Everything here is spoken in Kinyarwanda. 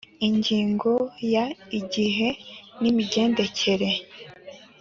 Ingingo ya Igihe n imigendekere